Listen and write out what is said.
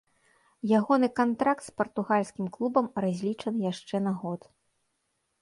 Ягоны кантракт з партугальскім клубам разлічаны яшчэ на год.